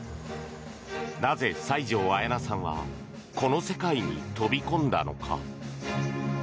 なぜ西條綾奈さんはこの世界に飛び込んだのか。